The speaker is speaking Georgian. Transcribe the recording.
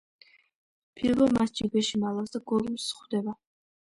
ბილბო მას ჯიბეში მალავს და გოლუმს ხვდება.